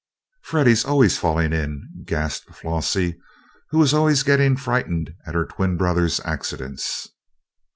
"Freddie's always fallin' in," gasped Flossie, who was always getting frightened at her twin brother's accidents.